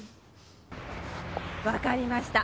わかりました。